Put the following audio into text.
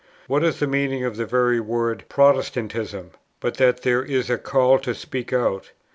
What is the meaning of the very word "Protestantism," but that there is a call to speak out?